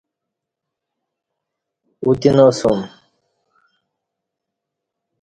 اوتیناسُوم